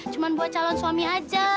cuma buat calon suami aja